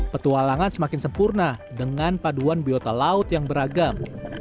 petualangan semakin sempurna dengan paduan biota laut yang beragam